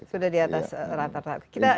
sudah di atas rata rata